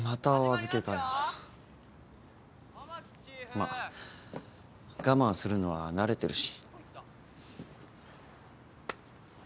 まあ我慢するのは慣れてるし。